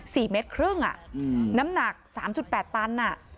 เมตรครึ่งอ่ะอืมน้ำหนักสามจุดแปดตันอ่ะ